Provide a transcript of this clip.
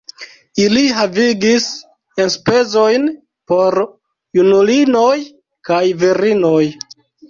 Ili havigis enspezojn por junulinoj kaj virinoj.